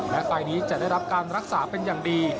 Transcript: และไฟล์นี้จะได้รับการรักษาเป็นอย่างดี